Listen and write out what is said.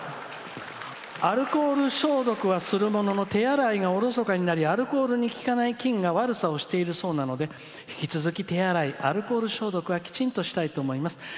「アルコール消毒はするものの手洗いがおろそかになり、アルコールがきかない菌が悪さをしているそうなので引き続き手洗いアルコール消毒をしたいと思います。